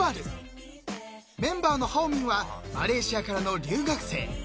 ［メンバーのハオミンはマレーシアからの留学生］